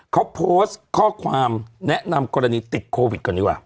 เขาโพสต์ข้อความแนะนำกรณีติดโควิดก่อนดีกว่า